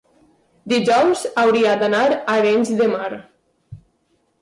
dijous hauria d'anar a Arenys de Mar.